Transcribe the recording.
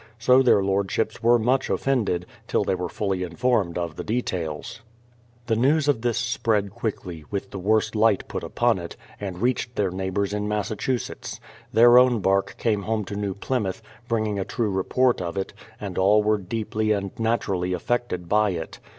So their Lordships were much ofifended, till they were fully informed of the details. The news of this spread quickly, with the worst light put upon it, and reached their neighbours in Massachusetts. Their own bark came home to New Plymouth, bringing a true report of it, and all were deeply and naturally affected by it.